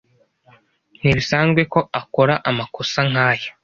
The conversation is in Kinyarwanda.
Ntibisanzwe ko akora amakosa nkaya.